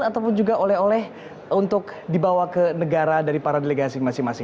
ataupun juga oleh oleh untuk dibawa ke negara dari para delegasi masing masing